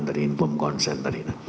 dari inform konsen tadi